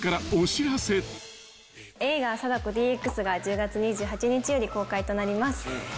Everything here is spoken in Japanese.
映画『貞子ＤＸ』が１０月２８日より公開となります。